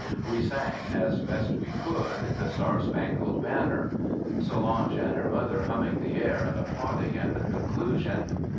We sang as best we could the "Star Spangled Banner," Solange and her mother humming the air and applauding at the conclusion.